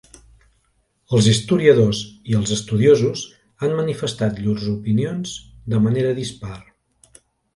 Els historiadors i els estudiosos han manifestat llurs opinions de manera dispar.